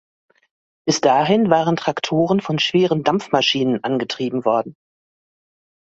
Bis dahin waren Traktoren von schweren Dampfmaschinen angetrieben worden.